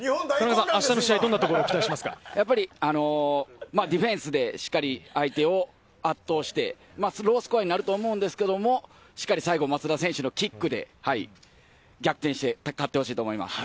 あした、どんなところにディフェンスでしっかり相手を圧倒して、ロースコアになると思うんですけれど、最後、松田選手のキックで逆転して勝ってほしいと思います。